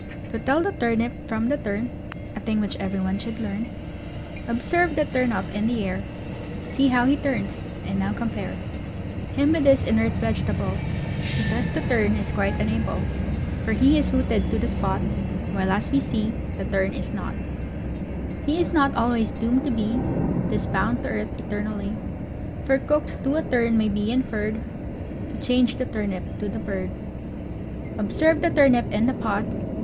] To tell the Turnip from the Tern, A thing which everyone should learn, Observe the Tern up in the air, See how he turns, and now compare Him with this inert vegetable, Who thus to turn is quite unable, For he is rooted to the spot, While as we see the Tern is not: He is not always doomed to be Thus bound to earth e tern ally, For "Cooked to a turn" may be inferred, To change the Turnip to the Bird. Observe the Turnip in the pot.